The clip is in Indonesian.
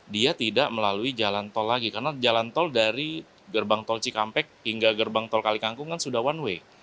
dia tidak melalui jalan tol lagi karena jalan tol dari gerbang tol cikampek hingga gerbang tol kalikangkung kan sudah one way